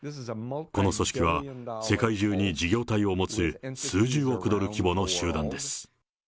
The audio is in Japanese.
この組織は、世界中に事業体を持つ数十億ドル規模の集団です。